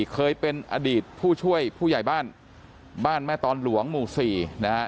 เคยเป็นอดีตผู้ช่วยผู้ใหญ่บ้านบ้านแม่ตอนหลวงหมู่๔นะฮะ